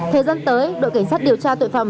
thời gian tới đội cảnh sát điều tra tội phạm